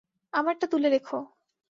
আমারটা তুলে রেখো।